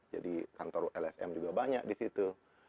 jadi kantor lsm juga banyak di situ